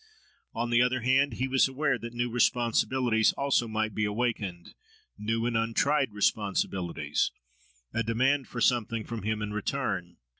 On the other hand, he was aware that new responsibilities also might be awakened—new and untried responsibilities—a demand for something from him in return.